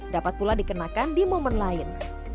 dapat pula dikenakan di momen lain